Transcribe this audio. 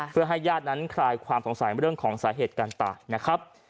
เพื่อให้ญาตินั้นคลายความสงสัยเรื่องของสาเหตุการตายนะครับ